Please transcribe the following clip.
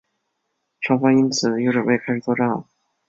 双方因此又准备开始作战了。